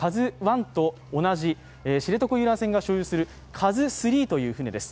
「ＫＡＺＵⅠ」と同じ知床遊覧船が所有する「ＫＡＺＵⅢ」という船です。